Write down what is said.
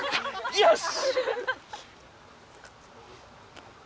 よし！